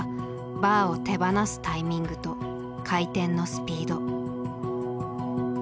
バーを手放すタイミングと回転のスピード。